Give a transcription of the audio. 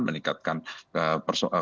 meningkatkan kemampuan personil